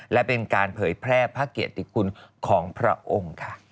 และเป็นการเผยแพร่พระเกียรติคุณของพระองค์ค่ะ